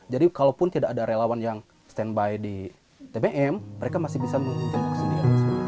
jadi kalaupun tidak ada relawan yang standby di tbm mereka masih bisa meminjam buku sendiri